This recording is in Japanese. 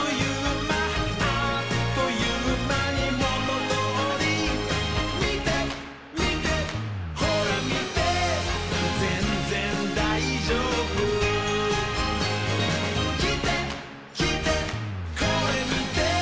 「あっというまにもとどおり」「みてみてほらみて」「ぜんぜんだいじょうぶ」「きてきてこれみて」